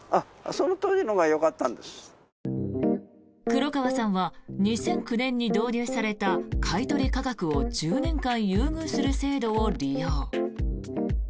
黒川さんは２００９年に導入された買い取り価格を１０年間優遇する制度を利用。